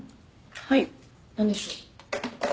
はい何でしょう？